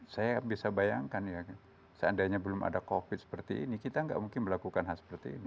saya bisa bayangkan ya seandainya belum ada covid seperti ini kita nggak mungkin melakukan hal seperti ini